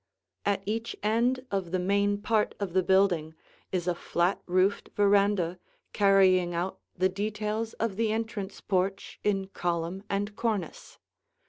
At each end of the main part of the building is a flat roofed veranda carrying out the details of the entrance porch in column and cornice.